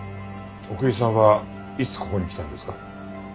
奥居さんはいつここに来たんですか？